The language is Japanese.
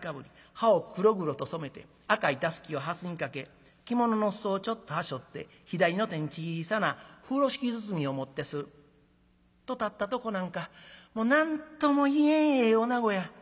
かぶり歯を黒々と染めて赤いタスキをはすにかけ着物の裾をちょっとはしょって左の手に小さな風呂敷包みを持ってスッと立ったとこなんかもう何とも言えんええおなごや。